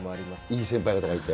いい先輩方がいて。